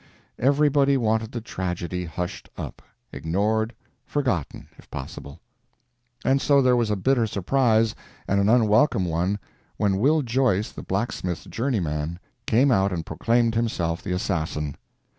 Everybody wanted the tragedy hushed up, ignored, forgotten, if possible. And so there was a bitter surprise and an unwelcome one when Will Joyce, the blacksmith's journeyman, came out and proclaimed himself the assassin!